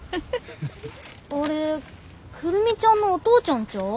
あれ久留美ちゃんのお父ちゃんちゃう？